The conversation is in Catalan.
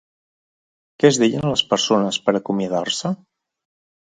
Què es deien les persones per acomiadar-se?